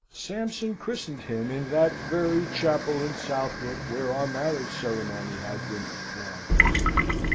Sampson christened him in that very chapel in Southwark, where our marriage ceremony had been performed.